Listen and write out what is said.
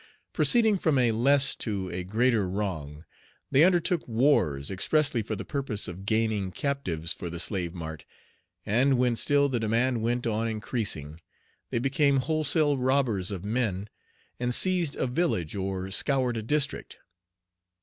Proceeding from a less to a greater wrong, they undertook wars expressly for the purpose of gaining captives for the slave mart; and when still the demand went on increasing, they became wholesale robbers of men, and seized a village, or scoured a district.